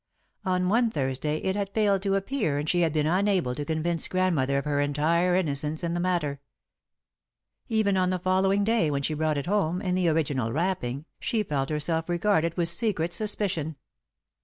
On one Thursday it had failed to appear and she had been unable to convince Grandmother of her entire innocence in the matter. Even on the following day, when she brought it home, in the original wrapping, she felt herself regarded with secret suspicion.